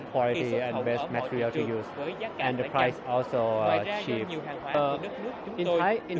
ngoài ra do nhiều hàng hóa từ đất nước chúng tôi được sản xuất nhẹ cộng